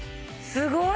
すごい。